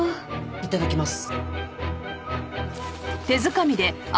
いただきます。